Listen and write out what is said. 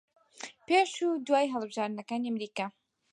پێش و دوای هەڵبژاردنەکانی ئەمریکا